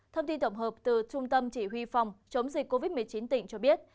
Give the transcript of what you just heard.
thông tin tổng hợp từ trung tâm chỉ huy phòng chống dịch covid một mươi chín tỉnh cho biết